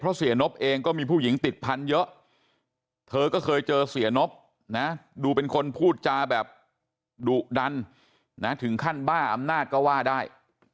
เพราะเสียนบเองก็มีผู้หญิงติดพันธุ์เยอะเธอก็เคยเจอเสียนบนะดูเป็นคนพูดจาแบบดุดันนะถึงขั้นบ้าอำนาจก็ว่าได้